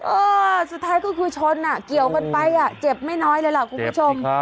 เออสุดท้ายก็คือชนอ่ะเกี่ยวกันไปอ่ะเจ็บไม่น้อยเลยล่ะคุณผู้ชม